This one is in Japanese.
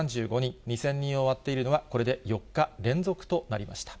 ２０００人を割っているのはこれで４日連続となりました。